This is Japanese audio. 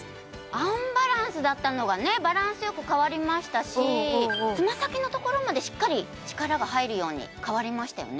アンバランスだったのがバランスよく変わりましたしつま先のところまでしっかり力が入るように変わりましたよね